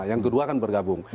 yang kedua kan bergabung